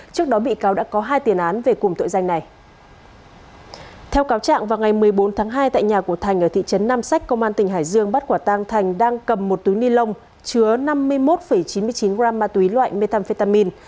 công an tỉnh hải dương bắt quả tang thành đang cầm một túi ni lông chứa năm mươi một chín mươi chín g ma túy loại methamphetamine